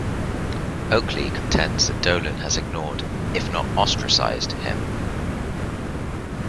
Oakley contends that Dolan has ignored, if not ostracized, him.